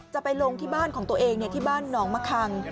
จะไปลงที่บ้านของตัวเองที่บ้านหนองมะคัง